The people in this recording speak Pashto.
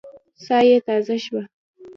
ساه يې تازه شوه.